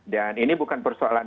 dan ini bukan persoalan